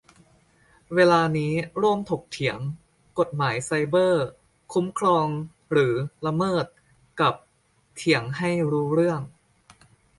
เวลานี้ร่วมถกเถียง : กฎหมายไซเบอร์ คุ้มครอง หรือ ละเมิด ? กับเถียงให้รู้เรื่อง